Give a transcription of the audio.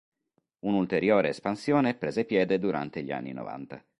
Un'ulteriore espansione prese piede durante gli anni novanta.